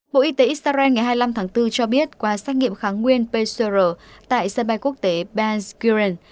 bộ y tế israel ngày hai mươi năm tháng bốn cho biết qua xét nghiệm kháng nguyên pcr tại sân bay quốc tế benzyren